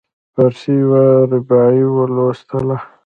فارسي یوه رباعي ولوستله.